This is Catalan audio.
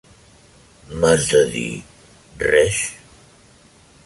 M'has de dir res?